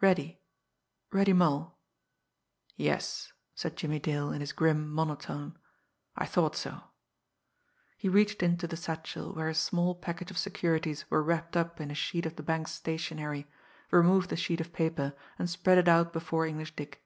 "Reddy Reddy Mull." "Yes," said Jimmie Dale in his grim monotone, "I thought so." He reached into the satchel where a small package of securities were wrapped up in a sheet of the bank's stationery, removed the sheet of paper, and spread it out before English Dick.